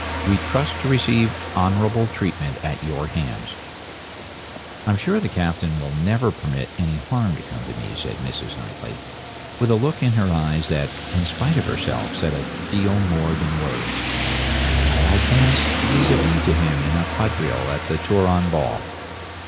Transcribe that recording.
We trust to receive honourable treatment at your hands.' 'I'm sure the Captain will never permit any harm to come to me,' says Mrs. Knightley, with a look in her eyes that, in spite of herself, said a deal more than words. 'Why, I danced "vis a vis" to him in a quadrille at the Turon ball.'